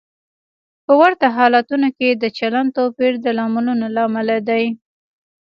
په ورته حالتونو کې د چلند توپیر د لاملونو له امله دی.